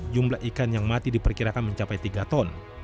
jumlah ikan yang mati diperkirakan mencapai tiga ton